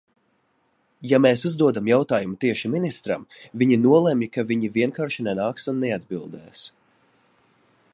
Ja mēs uzdodam jautājumu tieši ministram, viņi nolemj, ka viņi vienkārši nenāks un neatbildēs.